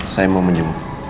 saya mau menjemput